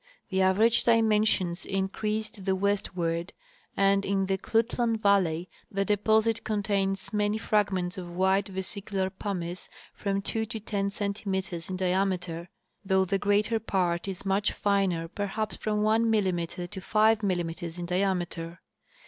The average dimensions increase to the westward, and in the Klutlan valley the deposit contains many fragments of white vesicular pumice from two to ten centimeters in diameter, though the greater part is much finer, perhaps from 1 mm to 5 mm in diam eter.